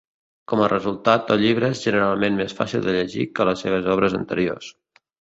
Com a resultat, el llibre és generalment més fàcil de llegir que les seves obres anteriors.